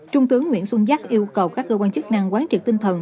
trung tướng nguyễn xuân giắc yêu cầu các cơ quan chức năng quán trực tinh thần